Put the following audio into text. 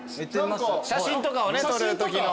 写真とかを撮るときの。